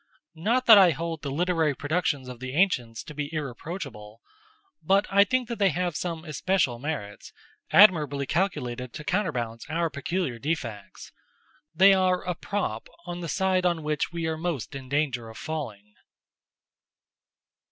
Not that I hold the literary productions of the ancients to be irreproachable; but I think that they have some especial merits, admirably calculated to counterbalance our peculiar defects. They are a prop on the side on which we are in most danger of falling.